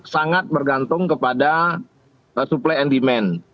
sangat bergantung kepada supply and demand